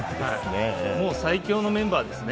最強のメンバーですね。